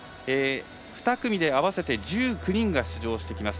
２組で合わせて１９人が出場してきます。